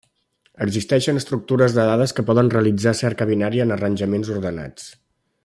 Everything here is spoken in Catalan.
Existeixen estructures de dades que poden realitzar cerca binària en arranjaments ordenats.